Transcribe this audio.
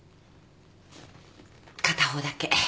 片方だけ。